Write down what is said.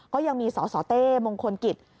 ก็ยังมีสสเต้มงคลกิจ